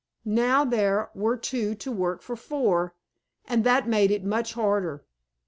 Now there were two to work for four, and that made it much harder.